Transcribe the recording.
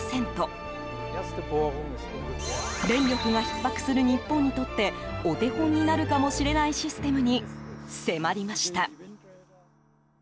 電力がひっ迫する日本にとってお手本になるかもしれないシステムに迫りました。